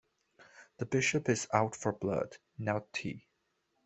The Bishop is out for blood, not tea.